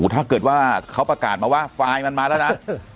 ถ้าเกิดว่าเขาประกาศมาว่าไฟล์มันมาแล้วนะ